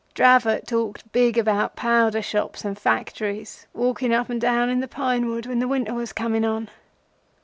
Dravot talked big about powder shops and factories, walking up and down in the pine wood when the winter was coming on.